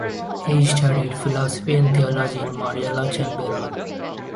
He studied philosophy and theology in Maria Laach and Beuron.